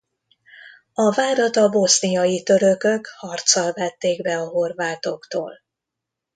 A várat a boszniai törökök harccal vették be a horvátoktól.